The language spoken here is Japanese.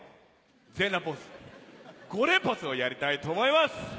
全裸ポーズ５連発をやりたいと思います。